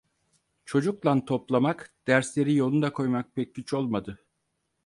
Çocuklan toplamak, dersleri yoluna koymak pek güç olmadı.